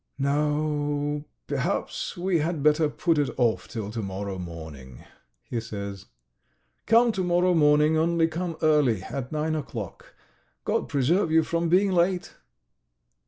"No. ... Perhaps we had better put it off till to morrow morning," he says. "Come to morrow morning, only come early, at nine o'clock. God preserve you from being late!"